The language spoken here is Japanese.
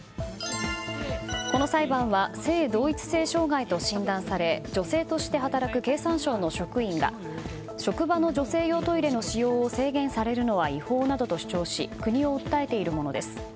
この裁判は性同一性障害と診断され女性として働く経産省の職員が職場の女性用トイレの使用を制限されるのは違法などと主張し国を訴えているものです。